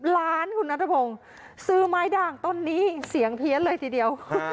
ล้านคุณนัทพงศ์ซื้อไม้ด่างต้นนี้เสียงเพี้ยนเลยทีเดียว